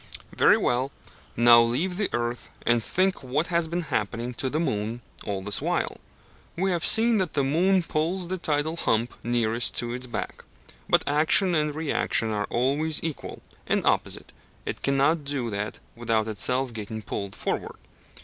Very well, now leave the earth, and think what has been happening to the moon all this while. We have seen that the moon pulls the tidal hump nearest to it back; but action and reaction are always equal and opposite it cannot do that without itself getting pulled forward.